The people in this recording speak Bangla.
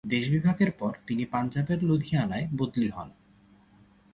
দেশবিভাগের পর তিনি পাঞ্জাবের লুধিয়ানায় বদলী হন।